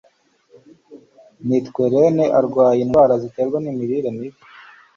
witwa rene arwaye indwara ziterwa n'imirire mibi